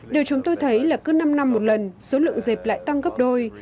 điều chúng tôi thấy là cứ năm năm một lần số lượng dẹp lại tăng gấp đôi